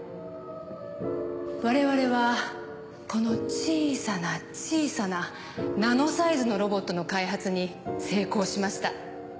我々はこの小さな小さなナノサイズのロボットの開発に成功しました。